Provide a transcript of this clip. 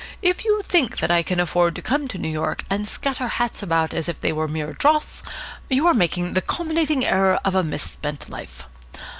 If you think that I can afford to come to New York and scatter hats about as if they were mere dross, you are making the culminating error of a misspent life.